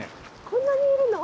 こんなにいるの？